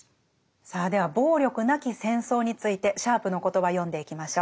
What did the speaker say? さあでは暴力なき「戦争」についてシャープの言葉読んでいきましょう。